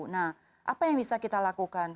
nah apa yang bisa kita lakukan